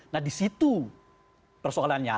nah disitu persoalannya